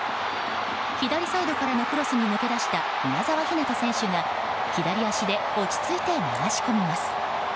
左サイドからのクロスに抜け出した宮澤ひなた選手が左足で落ち着いて流し込みます。